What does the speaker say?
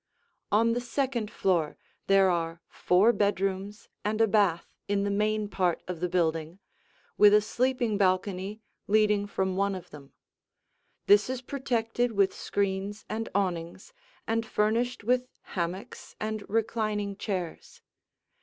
On the second floor there are four bedrooms and a bath in the main part of the building, with a sleeping balcony leading from one of them. This is protected with screens and awnings and furnished with hammocks and reclining chairs.